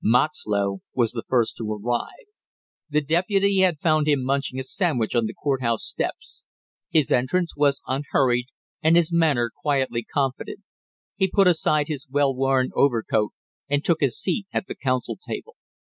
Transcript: Moxlow was the first to arrive. The deputy had found him munching a sandwich on the court house steps. His entrance was unhurried and his manner quietly confident; he put aside his well worn overcoat and took his seat at the counsel table.